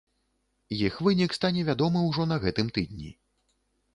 Іх вынік стане вядомы ўжо на гэтым тыдні.